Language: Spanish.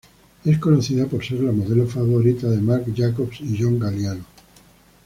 Es conocida por ser la modelo favorita de Marc Jacobs y John Galliano.